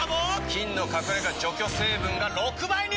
菌の隠れ家除去成分が６倍に！